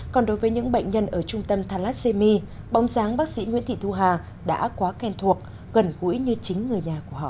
còn đối với những bệnh nhân ở trung tâm thalassemi bóng dáng bác sĩ nguyễn thị thu hà đã quá quen thuộc gần gũi như chính người nhà của họ